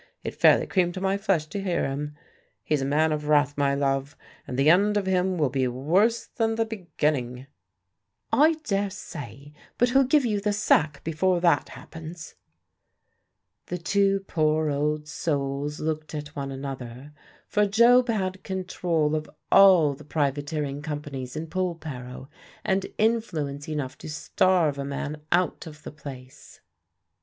It fairly creamed my flesh to hear him. He's a man of wrath, my love, and the end of him will be worse than the beginning." "I daresay; but he'll give you the sack before that happens." The two poor old souls looked at one another; for Job had control of all the privateering companies in Polperro, and influence enough to starve a man out of the place.